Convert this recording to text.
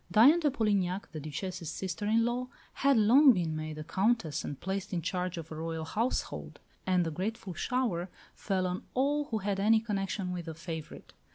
Diane de Polignac, the Duchesse's sister in law, had long been made a Countess and placed in charge of a Royal household; and the grateful shower fell on all who had any connection with the favourite.